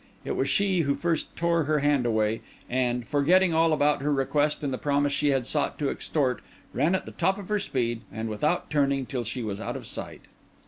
It was she who first tore her hand away, and, forgetting all about her request and the promise she had sought to extort, ran at the top of her speed, and without turning, till she was out of sight.